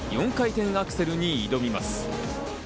４回転アクセルに挑みます。